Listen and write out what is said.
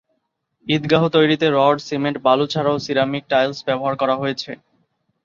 ঈদগাহ তৈরিতে rod, cement, বালু ছাড়াও সিরামিক টাইলস ব্যবহার করা হয়েছে।